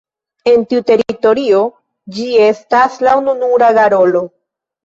En tiu teritorio ĝi estas la ununura garolo.